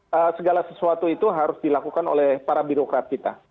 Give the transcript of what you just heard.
jadi segala sesuatu itu harus dilakukan oleh para birokrat kita